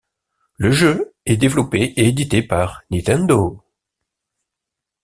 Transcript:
Le jeu est développé et édité par Nintendo.